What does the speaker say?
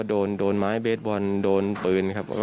โดนไม้เบสบอลโดนปืนครับ